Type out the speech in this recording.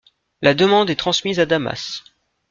La demande est transmise à Damas.